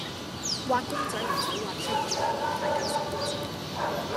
畫公仔唔駛畫出腸，大家心照